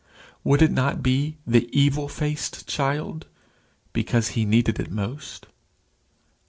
Would it not be the evil faced child, because he needed it most?